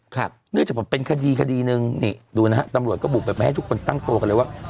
เนื่องจากว่าเป็นคดีคดีนึงนี่ดูนะฮะทำรวจก็บุคคลไปมาให้ทุกคนตั้งโตกันเลยว่า